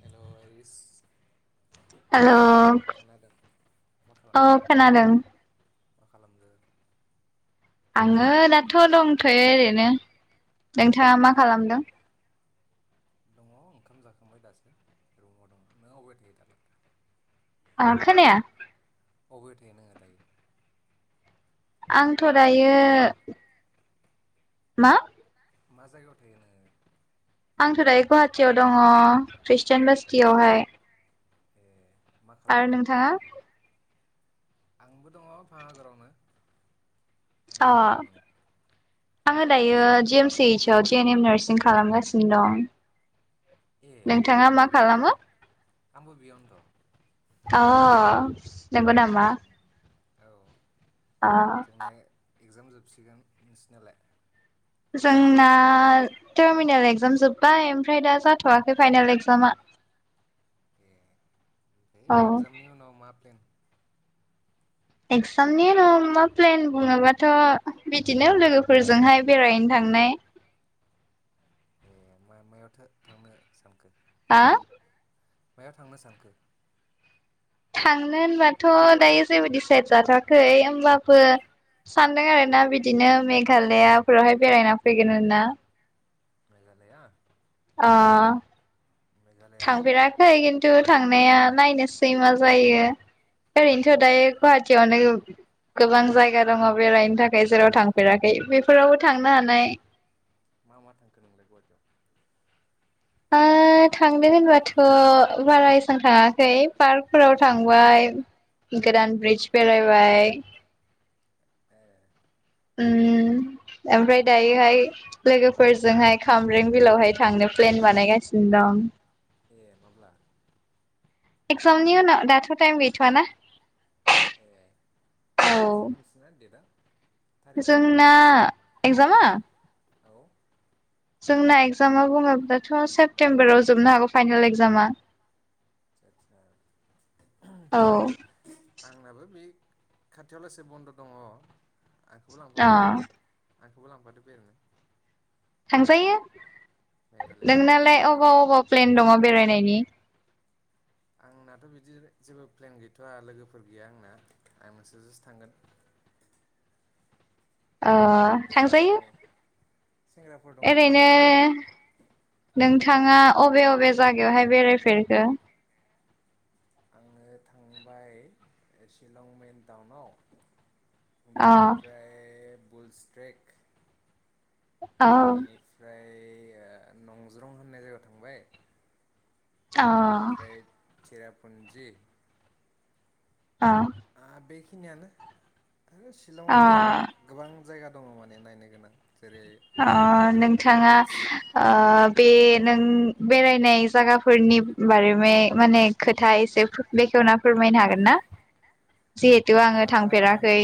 Hello. Hello मा औ खालामदों खोनादों। मा खालामदो? आंङो दाथ' दंथयो ओरैनो नोंथाङा मा नों खालामदों? दङ ओंखाम जाखांबाय दासो रुमाव दङ नों अबाय थायो दालाय? आं खोनाया। अबेयाव थायो नोंङो दायो? आं थ' दायो। मा मा? मा जायगायाव थायो नोङो? आंथ' दायो गुवाहाटियाव दङ ख्रिस्टियान बासटियावहाय। ए मा आरो खालामो नोंथाङा आंबो दङ भागरावनो अ आङो दायो जि एम सि ओइस आव जे एन एम नार्सिं खालामगासिनो दं ए नोंथाङा आमबो मा बियाव खालामो आंबो बियावनोथ' अ नंगौ नामा? औ अ जोंना एगजाम जोबसिगोन नोंसिनिआलाय? जोंना टारमिनेल एक्जाम जोब्बाय ओमफ्राय दा जाथ'वाखै फाइनेल एगजामा ए ओम औ एक्जामनि उनाव मा प्लेन एक्जामनि उनाव मा प्लेन बुङोबाथ' बिदिनो लोगोफोरजोंहाय बेरायहैनो थांनाय ए मा मायावथो थांनो सानखो? हो? मायाव थांनो सानखो? थांनो होनबाथ' दायो जेबो डिसाइड जाथ'आखै होमबाबो सानदों आरोना बिदिनो मेघालयाफोरावहाय बेरायना फैगोन होना। मेघालया अ मेघालया अबेयाव? थांफेराखै खिन्थु थांनाया नायनोसै मा जायो ओरैनोथ' ए दायो गुवाहाटियावनो गोबां जायगा दङ बेरायनो थाखाय जेराव थांफेराखै बेफोरावबो थांनो हानाय। मा मा थांखो नोंलाय गुवाहाटियाव? ओ थांदों होनबाथ' बारा एसां थाङाखै पार्कफोराव थांबाय। गोदान ब्रिडज बेरायबाय ए उम ओमफ्राय मा मा दायोहाय उम लोगोफोरजोंहाय खामब्रें बिलावहाय थांनो प्लेन बानायगासिनो दं। ए माब्ला? एगजामनि उनाव दाथ' टाइम गैथ'आना। ए माला जोबगोन नोंसोरना डेटआ? थारिकआ जोंना एक्जामा? औ जोंना एगजामा बुङोब्लाथ' सेप्तेम्बराव जोबनो हागौ फाइनल एगजामा। [inaudible] औ आंनाबो बे खाथियावलासे बन्द' दङ। आंखोबो अ लांफादो। आंखौबो लांफादो बेरायनो। थांजायो मेघालआव नोंनालाय अबाव अबाव प्लेन दङ बेरायनायनि? आंनाथ' बिदि जेबो प्लेन गैथ'वा लोगोफोर गैया आंना आं नोंसोरजोंसो थांगोन। अ औ थांजायो। सेंग्राफोर दंना गैया नोंसोरना [inaudible] थाङा अबे अबे जागायावहाय बेरायफेरखो? आङो थांबाय शिलं मेन टाउनाव अ बेनिफ्राय बुलस्ट्रेक औ ओइ ओ नंज्रं होननाय जायगायाव थांबाय अ बेनिफ्राय चिरापुन्जि अ बेखिनियानो। अ शिलंआवनो गोबां जायगा दङ माने नायनो गोनां। जेरै अ नोंना नोंथाङा वार्डस ओ बे नों बेरायनाय जागाफोरनि बारैमे माने खोथा एसे बेखेवना फोरमायनो हागोन ना? जिहेथु आङो थांफेराखै।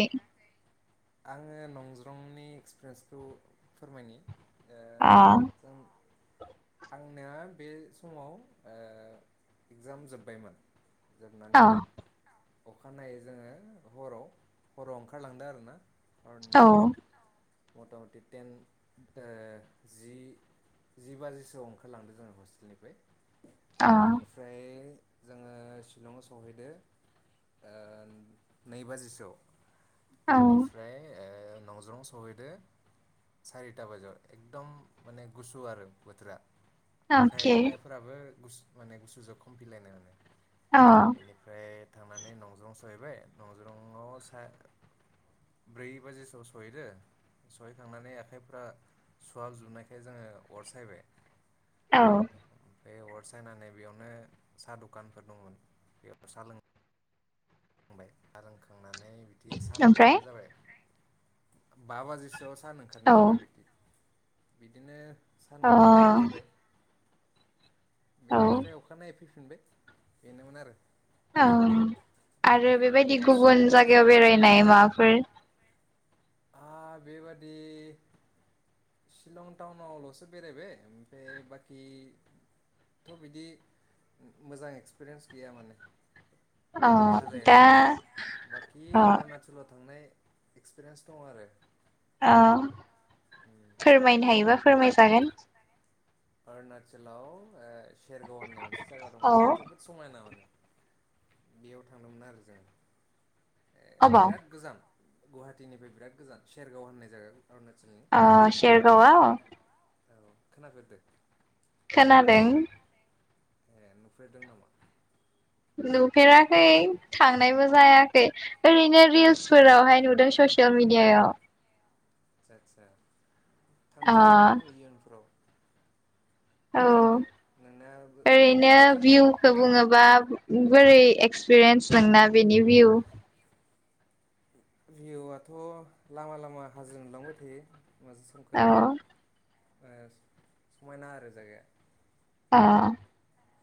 आङो नंज्रंनि एक्सप्रियेन्सखौ फोरमायनि। आ आंनाया बे समाव ओ इगजाम जोब्बायमोन। अ जोबनानै अखानायै जोङो हराव हराव ओंखारलांदों आरोना। औ हरनि मथा मथि टेन ओ जि जि बाजिसोआव ओंखारलांदों जोङो हस्टेलनिफ्राय अ बेनिफ्राय जोङो शिलंआव सहैदो ओ नै बाजिसोआव। ओं बेनिफ्राय ओ नंज्रं सहैदो सारिथा बाजियाव एकदम माने गुसु आरो बोथोरा। आखाइ अके आखाइफोराबो गुस माने गसुजों खमफिलायनाय माने। औ बेनिफ्राय थांनानै नंज्रं सहैबाय नंज्रंआव सा ब्रै बाजिसोआव सहैदो सहैखांनानै आखाइफ्रा सुवाबजोबनायखाय जोङो अरसायबाय। औ बे अर सायनानै बेयावनो साहा दखानफोर दंमोन बेयाव साहा लों बाय सा लोंखां खांनानै बिदि सान ओमफ्राय ओंखारनाय जाबाय बा बाजिसोआव सान ओंखारनाय औ जाबाय बिदिनो। बिदिनो सान अ ओंखारनायखौ नायबाय। औ बेनिफ्राय अखानायै फैफिन फिनबाय बेनोमोन आरो। अ उम आरो बेबायदि हरसेया गुबुन जायगायाव बेरायनाय माबाफोर? ओ बेबादि शिलं टाउनावल'सो बेरायबाय ओमफ्राय बाखिथ' बिदि मोजां एक्सपिरियेन्स गैया माने अ मेघालयआव दा आरो बाखि अ अरुणचलाव थांनाय एक्सपिरियेन्स दं आरो। अ फोरमायनो हायोबा फोरमायजागोन। अरुणाचलाव ओ सेरगाव होननाय मोनसे जायगा औ दंमोन जोबोद समायना माने बेयाव थांदोंमोन आरो जों। ए अबाव बिराद गोजान गुवाहाटिनिफ्राय बिराद गोजान सेरगाव होननाय जायागाखौ आ सेरगाव आव? औ खोनाफेरदो? खोनादोंं। ए नुफेरदों नामा? नुफेराखै थांनायबो जायाखै ओरैनो ए रिल्सफोरावहाय नुदों ससियेल मिडियायाव। आसा आतसा। अ थांजायो इयुनफोराव औ आरो नोंना ओरैनो ओजोंहाय भिउखौ औ बुङोबा बोरै एक्सपिरियेन्स नोंना बेनि भिउ भिउआथ' लामा लामा हाजो नुलांबाय थायो। माजु संखो औ ओ समायना आरो जागाया। ओ।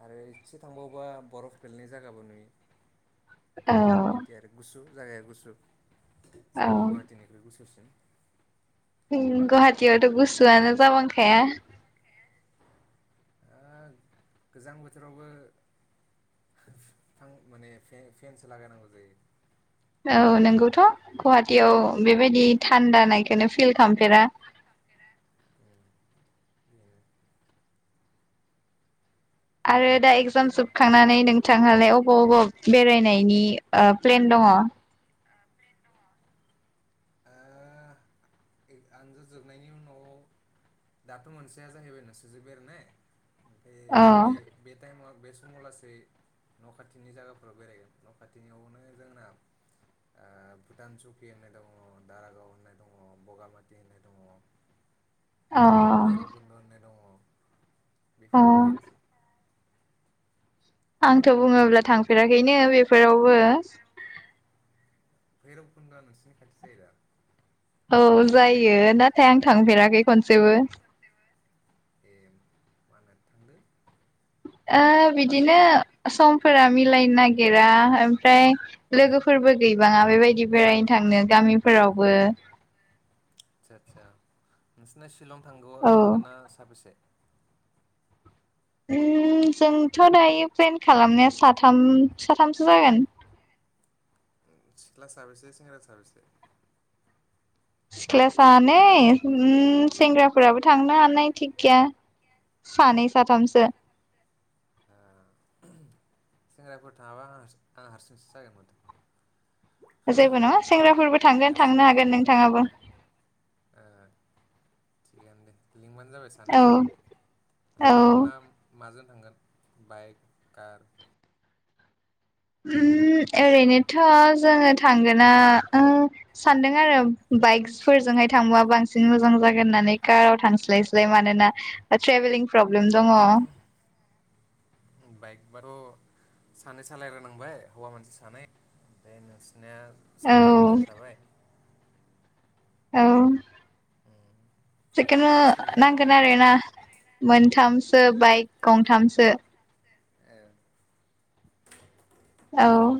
आरो इसे थांबावोबा बरफ गोलैनाय जागाबो नुयो। औ बिदि आरो गुसु जागाया गुसु औ जोंनि गुवाहाटीनिख्रुइ गुसुसिन। गुवाहाटीयावथ' गुसुआनो जाबांखाया।। ओ गोजां बोथोरावबो [unintelligible] माने फेनसो लागायनांगौ जायो‌। औ नोंगौथ' गवाहाटीयाव औ बेबायदि थान्दा नाय। खोनो फिल खालामफेरा [unintelligible] आरो दा एकजाम बाखि जोबखांनानै नोंथांहालाय अबाव अबा बेरायनायनि। ओ प्लेन दङ? आं [unintelligible] जोबनायनि उनाव दाथ' मोनसेया जाहैबाय नोसोरजो बेरायनाय। बे बे बे टाइमाव। बे समावलासे न' खाथिनि जागाफोराव बेरायगोन न' खाथिनियावनो जोंना भुटान चकि होननाय दङ दारागाव होननाय दङ। बगामाथि होननाय दङ। अ ओ बैरुबखन्द होननाय दङ। अ बेफोराव बेरायनोसै आंथ' बुङोब्ला थांफेराखैनो बेफोरावबो। बैरफ खुन्दवा नोंसिनि खाथि जायोरा‌। औ जायो नाथाय आं थांफेराखै खनसेबो। ए मानो थांन्दो। ओ बिदिनो समफोरा मिलायनो नागिरा ओमफ्राय लोगोफोरबो गैबाङा बेबायदि बेरायनो थांनो गामिफोरावबो आतसा आतसा नोंसिना शिलं थांगौ औ थांगोना सानबेसे? उम जोंथ' दायो प्लेन खालामनाया साथाम साथामसो जागोन। सिख्ला साबैसेै सेंग्रा साबैसेै? सिख्ला सानै उम सेंग्राफोराबो थांनो हानाय थिग गैया सानै साथामसो। ओ सेंग्राफोर थाङाबा आं हारसिं हारसिं सो जागोन माथो। जेबो नङा सेंग्राफोरबो थांगोन हारसिं थांनो हागोन नोंथाङाबो। ओ थिग आनो दे लिंबानो जाबाय सानैसो औ औ ओमफाय मा माजों थांगोन बाइक कार उम ओरैनोथ' जोङो थांगोना ओ सानदों आरो बाइकफोरजोंहाय थांबा बांसिन मोजां जागोन होननानै काराव थांस्लायस्लाय मानोना ओ ट्रेभेलिं प्रब्लेम दङ। बाइक बाथ' सानै सालायग्रा नांबाय हौवा मानसि सानै फाय नों [unintelligible] सानै हिनजावसा थाबाय औ जेखोनो मानसि नागिरनांबाय नांगोन होमबालाय आरोना मोनथाम सो बाइक गंथामसो। औ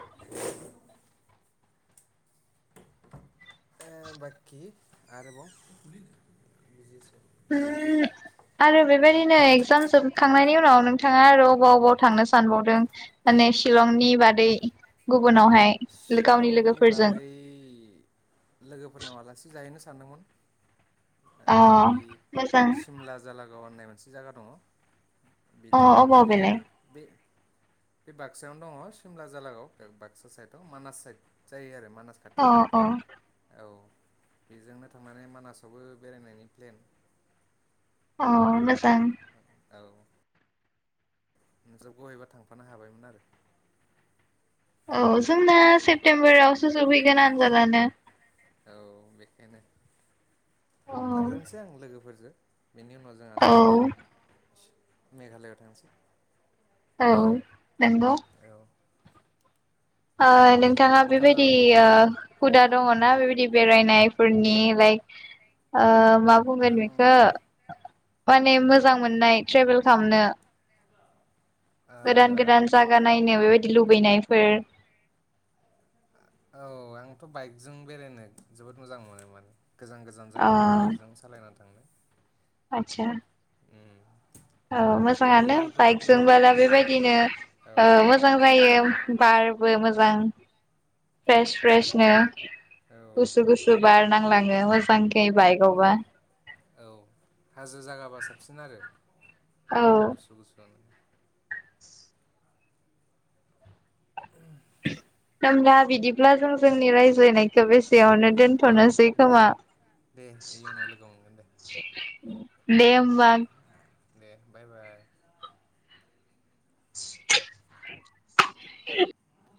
ओ बाखि आरोबाव ओ आरो बेबायदिनो एगजाम जोबखांनायनि उनाव नोंथाङा आरो अबाव अबाव थांनो सानबावदों माने शिलंनि बादै गुबुनावहाय गावनि शिलंनि लोगोफोरजों बादै लोगोफोरनाव आलासि जाहैनो सै। सान्दोंमोन। अ मोजां द होननाय मोनसे जायगा दङ बे अ थिग अबाव बे बेलाय बे बे बाक्सायावनो दङ सिमला जालागाव बाक्सा साइद मानास साइद जायो आरो। मानास खाथि अ अ औ। बेजोंनो थांनानै मानासावबो बेरायनायनि प्लेन अ मोजां औ नोंजा बहायबा थांफानो हाबायमोन आरो। औ जोंना सेप्तेम्बरावसो जोबहैगोन आनजादानो औ बेखायनो औ थांग्रोनोसै आं लोगोफोरजों बेनि उनाव जोंहा औ जयै मेघालयाव थांसै औ नंगौ। औ ओ बाखि नोंथाङा ओंखाम बेबायदि जाबाय ओ हुदा दङना बेबायदि बेरायनायफोरनि लाइक ओ मा बुंगोन आं ओ बेखो माने मोजां मोननाय ट्रेभेल खालामनो गोदान गोदान आंथ' जागा नायनो बेबायदि लुबैनाय बे औ आंथ' बाइकजों बेरायनो जोबोद मोजां मोनो मोन गोजान गोजान अ जायगाफोराव बाइकजों सालायना थांनो आतसा उम औ मोजाङानो लोगोफोर लोगोफोर बाइकजोंबोला थायोबा बेबायदिनो औ ओ मोजां जायो बारबो मोजां फ्रेस फ्रेशनो औ गुसु गुसु बार नांलाङो मोजांखे बाइकआवबा औ हाजो जागाबा साबसिन आरो औ गुसु गुसु होमब्ला बिदिब्ला जों जोंनि रायज्लायनायखौ बेसे यावनो औ दोनथ'नोसै दे खोमा दे इयुनाव लोगो मोनगोन दे दे होमबा दे बाय बाय [inaudible] [inaudible]